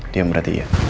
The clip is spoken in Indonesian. dia yang berhati hati ya